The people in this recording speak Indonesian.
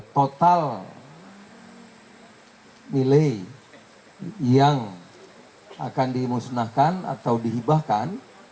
total nilai yang akan dimusnahkan atau dihibahkan